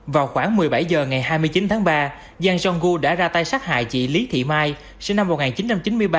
vào khoảng một mươi bảy h ngày hai mươi chín tháng ba giang sông gu đã ra tay sát hại chị lý thị mai sinh năm một nghìn chín trăm chín mươi ba